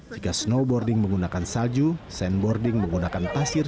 jika snowboarding menggunakan salju sandboarding menggunakan pasir